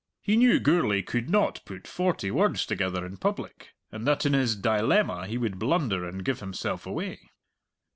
He knew Gourlay could not put forty words together in public, and that in his dilemma he would blunder and give himself away.